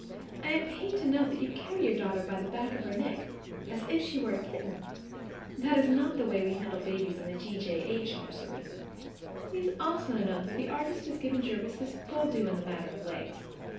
I am pained to note that you carry your daughter by the back of her neck, as if she were a kitten. That is not the way we handle babies in the J. G. H. nursery. Please also note that the artist has given Jervis his full due in the matter of legs.